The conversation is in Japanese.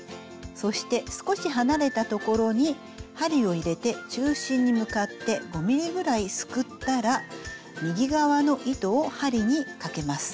そして少し離れた所に針を入れて中心に向かって５ｍｍぐらいすくったら右側の糸を針にかけます。